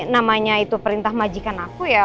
namanya itu perintah majikan aku ya